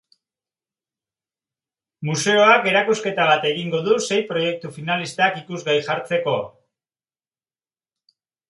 Museoak erakusketa bat egingo du sei proiektu finalistak ikusgai jartzeko.